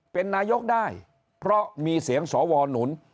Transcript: เป็นนายกได้เพราะมีเสียงสวหนุน